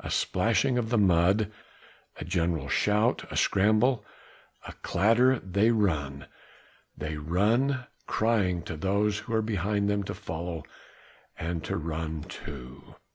A splashing of the mud, a general shout, a scramble, a clatter they run they run crying to those who are behind to follow and run too.